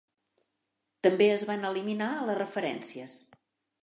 També es van eliminar les referències.